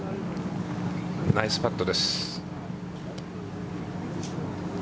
ナイスパットです。